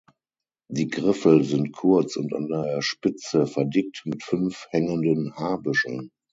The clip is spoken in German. Die Griffel sind kurz und an der Spitze verdickt mit fünf hängenden Haarbüscheln.